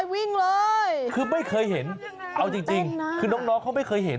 วิ่งเลยคือไม่เคยเห็นเอาจริงคือน้องเขาไม่เคยเห็น